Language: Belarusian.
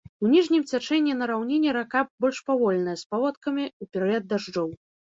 У ніжнім цячэнні на раўніне рака больш павольная, з паводкамі ў перыяд дажджоў.